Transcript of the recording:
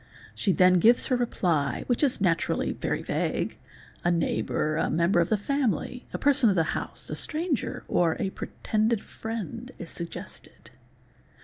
She then gives her reply, which is naturally very vague, a neighbour, a member of the family, a person of the house, a stranger, or a pretended | friend is suggested.